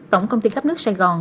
tổng công ty cấp nước sài gòn